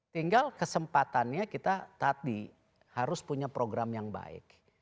tinggal kesempatannya kita tadi harus punya program yang baik